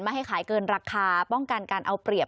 ให้ขายเกินราคาป้องกันการเอาเปรียบ